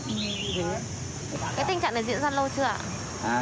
cái tình trạng này diễn ra lâu chưa ạ